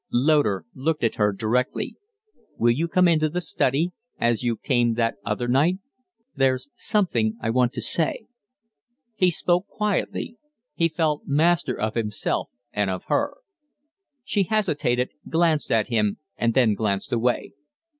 Loder looked at her directly. "Will you come into the study as you came that other night? There's something I want to say." He spoke quietly. He felt master of himself and of her. She hesitated, glanced at him, and then glanced away.